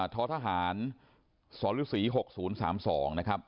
ท้อทหารสฤษี๖๐๓๒นะครับ